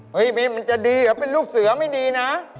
บีมมันจะดีเหรอเป็นลูกเสือไม่ดีนะ